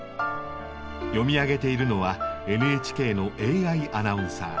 読み上げているのはＮＨＫのＡＩアナウンサー。